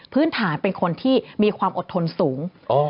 พื้นฐานเป็นคนที่มีความอดทนสูง